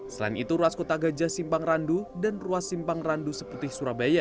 selain itu ruas kota gajah simpangrandu dan ruas simpangrandu seputih surabaya